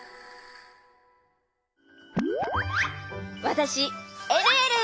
わたしえるえる！